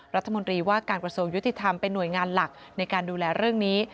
รัฐมนตรีว่าการกระทรวงยุติธรรมเป็นหน่วยงานหลักในการดูแลเรื่องนี้